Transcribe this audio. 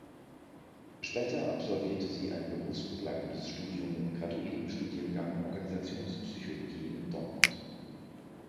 Später absolvierte sie ein berufsbegleitendes Studium im Graduierten-Studiengang Organisationspsychologie in Dortmund.